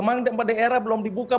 memang daerah belum dibuka